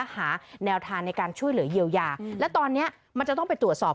หาแนวทางในการช่วยเหลือเยียวยาและตอนนี้มันจะต้องไปตรวจสอบ